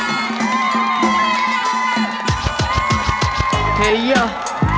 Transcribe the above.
ขอบคุณครับ